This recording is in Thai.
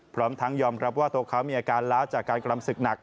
พร้อมทั้งยอมรับว่าตัวเขามีอาการล้าจากการกรำศึกหนัก